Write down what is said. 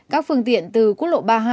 các phương tiện từ quốc lộ ba mươi hai